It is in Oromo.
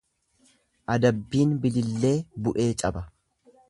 Adabbiin bilillee bu'ee caba.